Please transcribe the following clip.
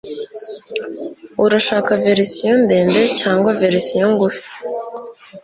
urashaka verisiyo ndende cyangwa verisiyo ngufi